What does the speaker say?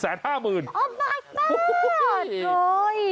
โอ้มายก็อดโอ้ย